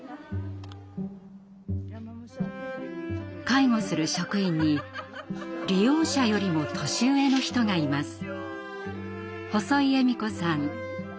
介護する職員に利用者よりも年上の人がいます。